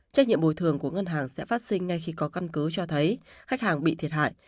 trách nhiệm bồi thường của ngân hàng sẽ phát sinh ngay khi có căn cứ cho thấy khách hàng bị thiệt hại